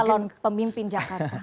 calon pemimpin jakarta